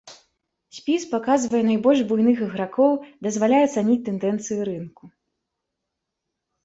Спіс паказвае найбольш буйных ігракоў, дазваляе ацаніць тэндэнцыі рынку.